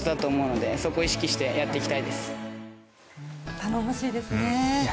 頼もしいですね。